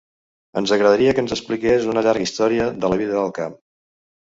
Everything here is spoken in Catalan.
Ens agradaria que ens expliqués una llarga història de la vida al camp.